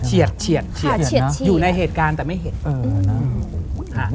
เฉียดค่ะเฉียดค่ะนะอยู่ในเหตุการณ์แต่ไม่เห็น